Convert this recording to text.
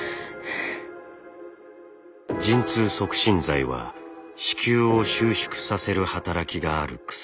陣痛促進剤は子宮を収縮させる働きがある薬。